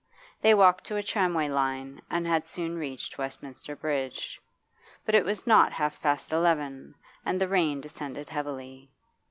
They walked to a tramway line and had soon reached Westminster Bridge. But it was not half past eleven, and the rain descended heavily.